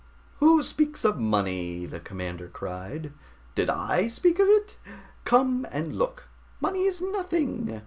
"Who speaks of money?" the commander cried. "Did I speak of it? Come and look! Money is nothing.